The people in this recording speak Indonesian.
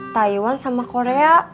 taiwan sama korea